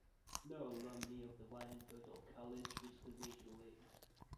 No alumni of the Wyandotte Alkalis reached the major leagues.